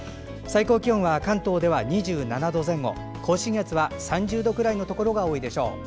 最高気温は関東では２７度前後甲信越は３０度くらいのところが多いでしょう。